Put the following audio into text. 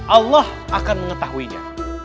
allah akan mengetahuinya